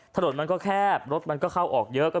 ถนนมันก็แคบรถมันก็เข้าออกเยอะ